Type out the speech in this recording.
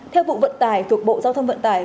theo vụ vận tải thuộc bộ giao thông vận tải